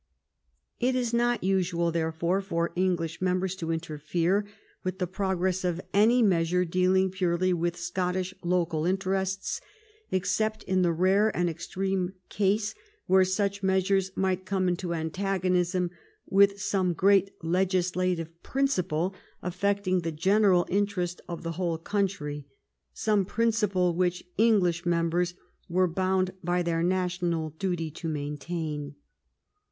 It is not usual, therefore, for English members to interfere with the progress of any measure dealing purely with Scottish local interests except in the rare and extreme case where such measures might come into antagonism with some great legislative jfrinciple affect ing the general interest of the whole country, some prin ciple which English members were bound by their na tional duty to maintain.